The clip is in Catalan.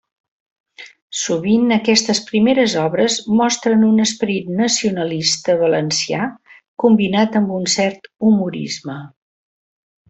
Sovint aquestes primeres obres mostren un esperit nacionalista valencià combinat amb un cert humorisme.